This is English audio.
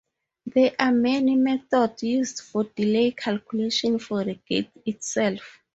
There are many methods used for delay calculation for the gate itself.